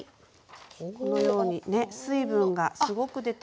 このように水分がすごく出てるんです。